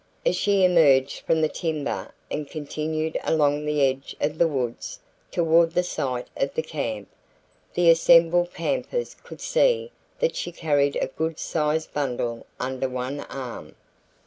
As she emerged from the timber and continued along the edge of the woods toward the site of the camp, the assembled campers could see that she carried a good sized bundle under one arm.